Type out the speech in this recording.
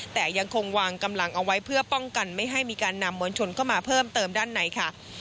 แต่ยังคงวางกำลังเอาไว้เพื่อป้องกันไม่ให้มีการนำมวลชนเข้ามาเพิ่มเติมด้านในค่ะ